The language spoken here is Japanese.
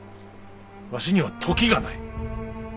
わしには時がない。